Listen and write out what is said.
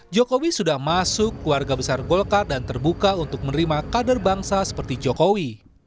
jokowi sudah masuk keluarga besar golkar dan terbuka untuk menerima kader bangsa seperti jokowi